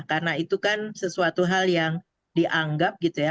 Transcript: karena itu kan sesuatu hal yang dianggap gitu ya